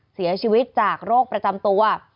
เสียชีวิตจากโรคประจำตัว